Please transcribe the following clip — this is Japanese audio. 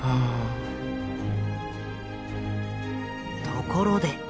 ところで。